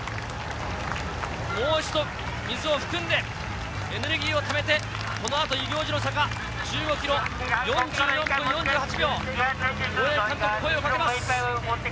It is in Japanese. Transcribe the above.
もう一度、水を含んで、エネルギーをためて、このあと遊行寺の坂１５ｋｍ、４４分４８秒。